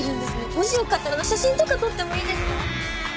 もしよかったら写真とか撮ってもいいですか？